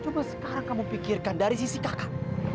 coba sekarang kamu pikirkan dari sisi kakak